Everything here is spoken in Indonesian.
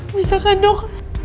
bisa kan dok